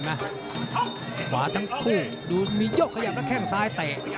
มียี่ควรไม่ออกได้